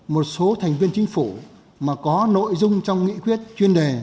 một số thành viên chính phủ mà có nội dung trong nghị quyết chuyên đề